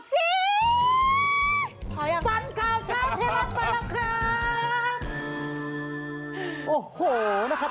สีฟันเก่าเช้าเทวันมาแล้วครับ